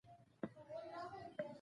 هېواد ته وفاداري فرض ده